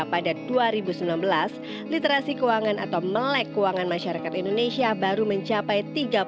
pada dua ribu sembilan belas literasi keuangan atau melek keuangan masyarakat indonesia baru mencapai